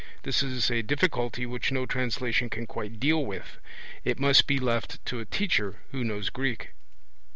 This is a difficulty which no translation can quite deal with; it must be left to a teacher who knows Greek.